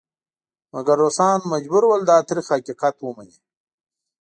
مګر روسان مجبور ول دا تریخ حقیقت ومني.